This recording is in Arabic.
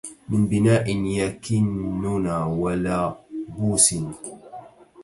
من بناءٍ يَكِنُّنا ولَبُوسٍ